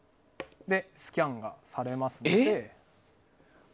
スキャンがされますので。